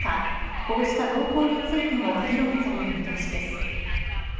こうした動向についても議論される見通しです。